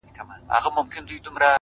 عاجزي د دروند شخصیت نښه ده،